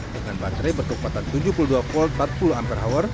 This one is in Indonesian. dengan baterai bertukmatan tujuh puluh dua v empat puluh ah